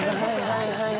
はいはい。